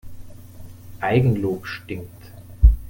Eigenlob stinkt.